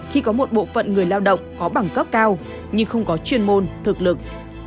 khi có một bộ phận người lao động có bằng cấp cao nhưng không có chuyên môn thực lực